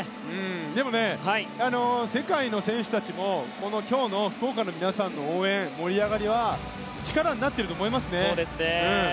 でも、世界の選手たちも今日の福岡の皆さんの応援盛り上がりは力になってると思いますね。